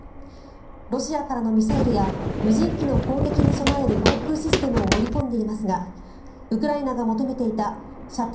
ロシアからのミサイルや無人機の攻撃に備える防空システムを盛り込んでいますがウクライナが求めていた射程